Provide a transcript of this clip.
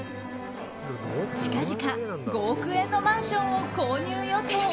近々、５億円のマンションを購入予定。